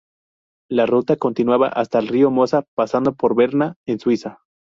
La ruta continuaba hasta el río Mosa pasando por Berna en Suiza.